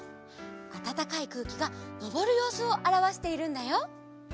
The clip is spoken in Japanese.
あたたかいくうきがのぼるようすをあらわしているんだよ。